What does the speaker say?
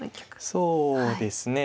そうですね。